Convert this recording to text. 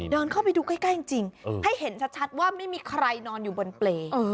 เดินเข้าไปดูใกล้จริงให้เห็นชัดว่าไม่มีใครนอนอยู่บนเปรย์